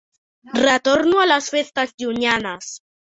Retorno a les festes llunyanes.